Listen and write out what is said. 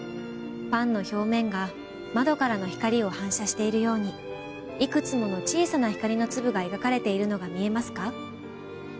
パンの表面が窓からの光を反射しているようにいくつもの小さな光の粒が描かれているのが見えますか？